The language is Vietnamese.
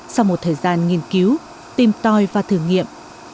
sau một thời gian nghiên cứu tìm tòi và thử nghiệm